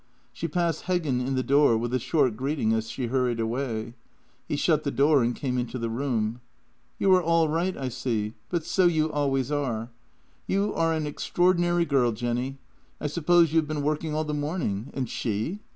She passed Heggen in the door with a short greeting as she hurried away. He shut the door and came into the room. " You are all right, I see — but so you always are. You are an extraordinary girl, Jenny. I suppose you have been working all the morning — and she?"